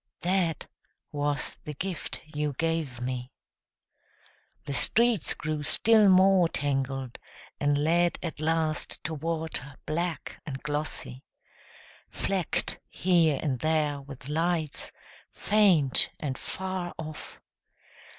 That was the gift you gave me. ... The streets grew still more tangled, And led at last to water black and glossy, Flecked here and there with lights, faint and far off.